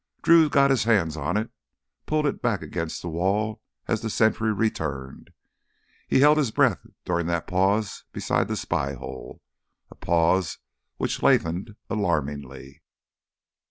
Drew got his hands on it, pulled it back against the wall as the sentry returned. He held his breath during that pause beside the spy hole, a pause which lengthened alarmingly.